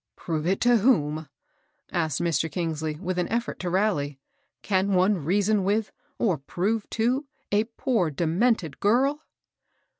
"Prove it to wtom?" asked Mr. Kingsley, with an effort to rally. "Can one reason with, or prove to, a poor demented girl?"